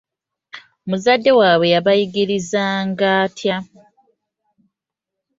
Muzadde waabwe yabayigirizanga atya?